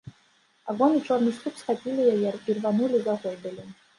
Агонь і чорны слуп схапілі яе, ірванулі, загойдалі.